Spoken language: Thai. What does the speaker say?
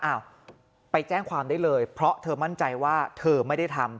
อ้าวไปแจ้งความได้เลยเพราะเธอมั่นใจว่าเธอไม่ได้ทำ